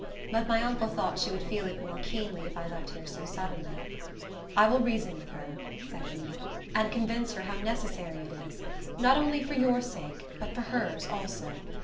But my uncle thought she would feel it more keenly if I left here so suddenly. "I will reason with her," said he, "and convince her how necessary it is, not only for your sake, but for hers also.